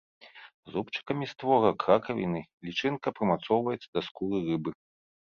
Зубчыкамі створак ракавіны лічынка прымацоўваецца да скуры рыбы.